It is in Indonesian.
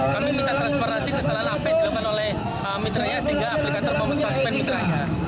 kami minta transparansi kesalahan hp dilakukan oleh mitranya sehingga aplikator memutus suspensi mitranya